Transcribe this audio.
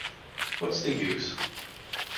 What's the Use?